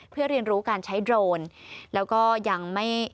เพื่อเรียนรู้การใช้โดรนแล้วก็ยังไม่